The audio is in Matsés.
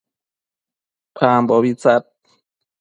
ambobi tsad